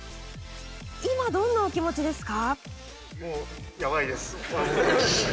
今どんなお気持ちですか？